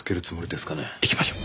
行きましょう。